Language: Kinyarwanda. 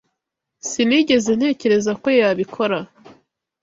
Sinigeze ntekereza ko yabikora